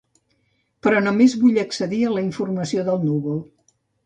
Però només vull accedir a la informació del núvol.